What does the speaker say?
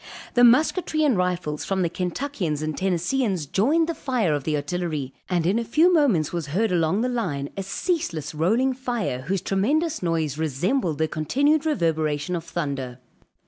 The musketry and rifles from the Kentuckians and Tennesseans, joined the fire of the artillery, and in a few moments was heard along the line a ceaseless, rolling fire, whose tremendous noise resembled the continued reverberation of thunder.